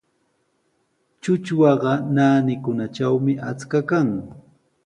Trutrwaqa naanikunatrawmi achka kan.